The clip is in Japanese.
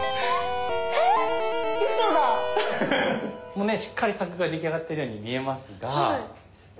もうねしっかり柵が出来上がってるように見えますが。